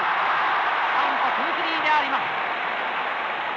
カウントツースリーであります。